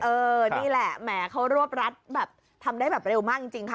นี่แหละแหมเขารวบรัดแบบทำได้แบบเร็วมากจริงค่ะ